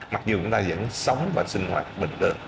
mặc dù chúng ta vẫn sống và sinh hoạt bình lợi